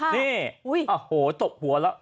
นี่โอ้โหตบหัวแล้ว